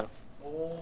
お！